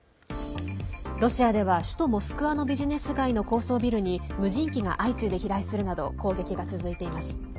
ロシアでは首都モスクワのビジネス街の高層ビルに無人機が相次いで飛来するなど攻撃が続いています。